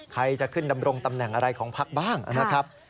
ใครจะขึ้นดำรงตำแหน่งอะไรของพักบ้างนะครับ